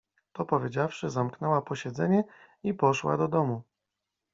To powiedziawszy, zamknęła posiedzenie i poszła do domu.